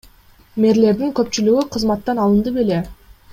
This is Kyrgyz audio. Мэрлердин көпчүлүгү кызматтан алынды беле?